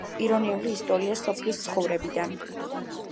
ირონიული ისტორია სოფლის ცხოვრებიდან.